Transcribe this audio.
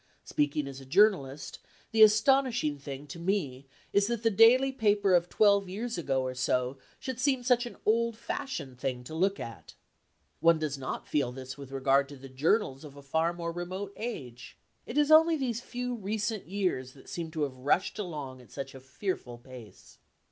Speaking as a journalist, the astonishing thing to me is that the daily paper of twelve years ago or so should seem such an old fashioned thing to look at. One does not feel this with regard to the journals of a far more remote age. It is only these few recent years that seem to have rushed along at such a fearful pace.